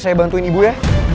saya bantuin ibu ya